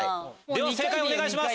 では正解お願いします